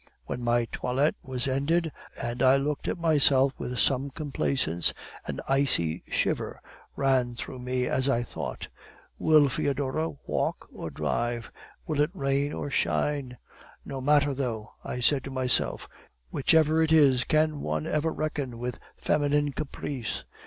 When my toilette was ended, and I looked at myself with some complaisance, an icy shiver ran through me as I thought: "'Will Foedora walk or drive? Will it rain or shine? No matter, though,' I said to myself; 'whichever it is, can one ever reckon with feminine caprice?